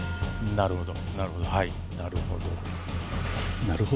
「なるほど」？